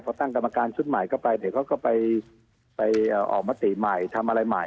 พอตั้งกรรมการชุดใหม่เข้าไปเดี๋ยวเขาก็ไปออกมาติใหม่ทำอะไรใหม่